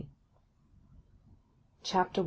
CHAPTER I.